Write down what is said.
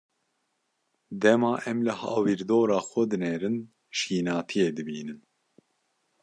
Dema em li hawîrdora xwe dinêrin şînatiyê dibînin.